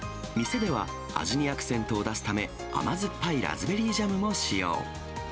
店では味にアクセントを出すため、甘酸っぱいラズベリージャムも使用。